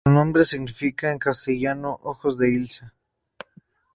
Su nombre significa en castellano "ojos de islas".